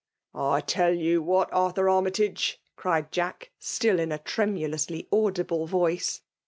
,•'.* I tell you what, Arthur Armytage," cried Jaek, still iB a tremulously audible voice